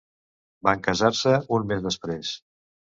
Van casar-se un mes després.